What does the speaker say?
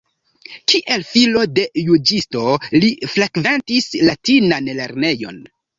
Kiel filo de juĝisto li frekventis latinan lernejon.